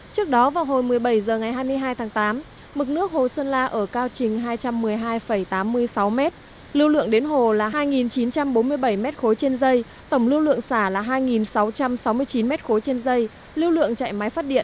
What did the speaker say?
trước đó vào hồi một mươi bảy h ngày hai mươi hai tháng tám mực nước hồ sơn la ở cao trình hai trăm một mươi hai tám mươi sáu m lưu lượng đến hồ là hai chín trăm bốn mươi bảy m ba trên dây tổng lưu lượng xả là hai sáu trăm sáu mươi chín m ba trên dây lưu lượng chạy máy phát điện